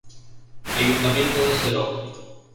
Ayuntamiento de Serón